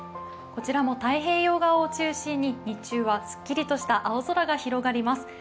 こちらも太平洋側を中心に日中はすっきりとした青空が広がります。